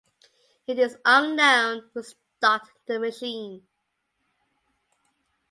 It is unknown who stocked the machine.